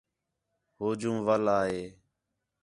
ہو جوں وَل آ ہے